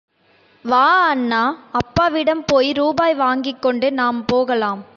வா அண்ணா அப்பாவிடம் போய் ரூபாய் வாங்கிக் கொண்டு நாம் போகலாம்.